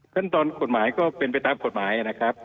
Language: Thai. ขั้นตอนกฎหมายก็เป็นไปตามกฎหมายนะครับ